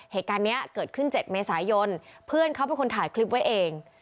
เหตุการณ์นี้เกิดขึ้น๗เมษายนเพื่อนเขาเป็นคนถ่ายคลิปไว้เอง